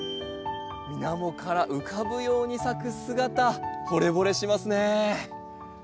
みなもから浮かぶように咲く姿ほれぼれしますね。